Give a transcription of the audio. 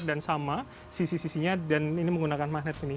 dan sama sisi sisinya dan ini menggunakan magnet ini